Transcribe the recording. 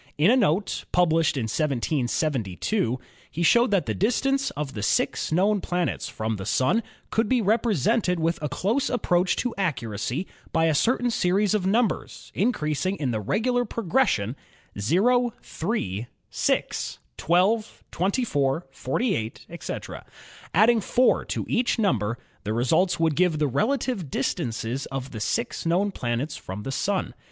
In a note, published in 1772, he showed that the distance of the six known planets from the Sun could be represented with a close approach to accuracy by a certain series of numbers increasing in the regular pro gression, o, 3, 6, 12, 24, 48, etc. Adding 4 to each number, the results would give the relative distances of the six known planets from the Sun.